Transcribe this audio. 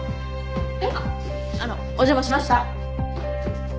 あっあのお邪魔しました。